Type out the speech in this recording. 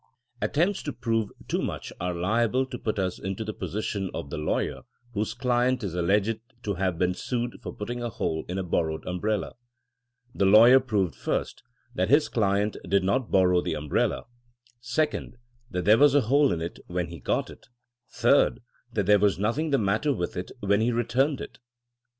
At THINKINO AS A SCIENCE 131 tempts to prove too much are liable to put us into the position of the lawyer whose client is alleged to have been sued for putting a hole in a borrowed umbrella. The lawyer proved first, that his client did not borrow the umbrella ; sec ond, that there was a hole in it when he got it ; third, that there was nothing the matter with it when he returned it.